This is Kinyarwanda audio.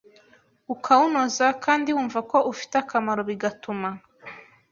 ukawunoza kandi wumva ko ufi te akamaro bigatuma